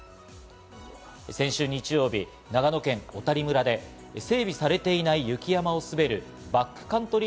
先週日曜日、長野県小谷村で整備されていない雪山を滑るバックカントリー